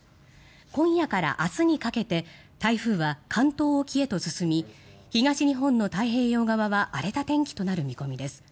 今夜から明日にかけて台風は関東沖へと進み東日本の太平洋側は荒れた天気となる見込みです。